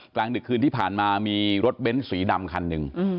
กลางดึกคืนที่ผ่านมามีรถเบ้นสีดำคันหนึ่ง